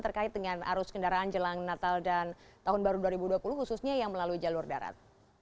terkait dengan arus kendaraan jelang natal dan tahun baru dua ribu dua puluh khususnya yang melalui jalur darat